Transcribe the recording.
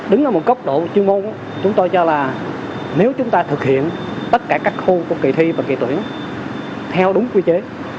đứng ở một cấp độ chuyên môn chúng tôi cho là nếu chúng ta thực hiện tất cả các khu kỳ thi và kỳ tuyển theo đúng quy chế